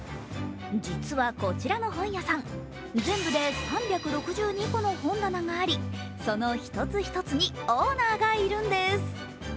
実はこちらの本屋さん、全部で３６２個の本棚があり、その一つ一つにオーナーがいるんです。